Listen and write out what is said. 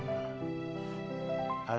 apalagi bapak setiap hari berdoa terus tis